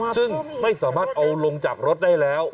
ซึ่งไม่สามารถเอาลงจากรถได้แล้ว